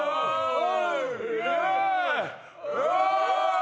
お！